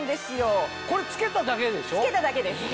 これ着けただけでしょ？